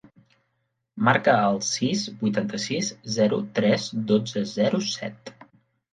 Marca el sis, vuitanta-sis, zero, tres, dotze, zero, set.